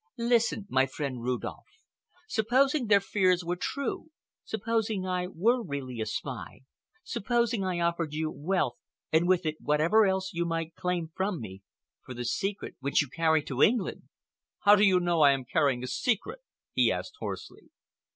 "Listen, my friend Rudolph. Supposing their fears were true, supposing I were really a spy, supposing I offered you wealth and with it whatever else you might claim from me, for the secret which you carry to England!" "How do you know that I am carrying a secret?" he asked hoarsely.